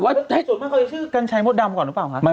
ประสุนมั่นคือกัญไช่มสดรำก่อนหรือเปล่าคะ